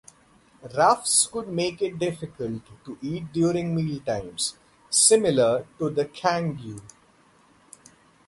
Ruffs could make it difficult to eat during mealtimes, similar to the cangue.